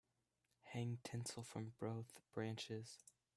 Hang tinsel from both branches.